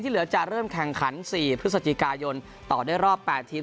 เหลือจะเริ่มแข่งขัน๔พฤศจิกายนต่อได้รอบ๘ทีม